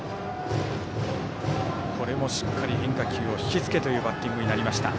しっかり変化球を引きつけてというバッティングになりました。